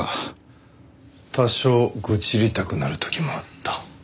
多少愚痴りたくなる時もあった。